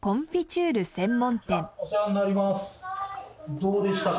どうでしたか？